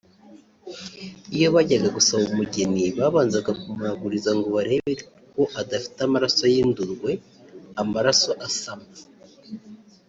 Iyo bajyaga gusaba umugeni ; babanzaga kumuraguriza ngo barebe ko adafite amaraso y’indurwe (amaraso asama)